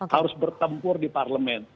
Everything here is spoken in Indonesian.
harus bertempur di parlemen